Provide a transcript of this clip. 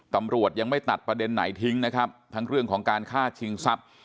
ตำรวจยังไม่ตัดประเด็นไหนทิ้งนะครับทั้งเรื่องของการฆ่าชิงทรัพย์